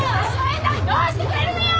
どうしてくれるのよ！